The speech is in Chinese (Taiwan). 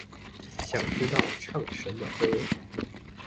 想知道唱什麼歌